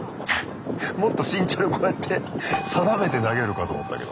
もっと慎重にこうやって定めて投げるかと思ったけど。